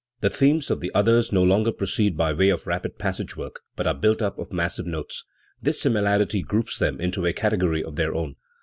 The themes of the others no longer proceed by way of rapid passage work, but are built up of massive notes. This similarity groups them into a category of their own.